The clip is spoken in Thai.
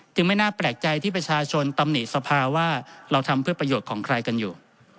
ไม่น่าแปลกใจที่ประชาชนตำหนิสภาว่าเราทำเพื่อประโยชน์ของใครกันอยู่